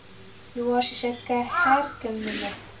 Йыуаш ишәккә һәр кем менер.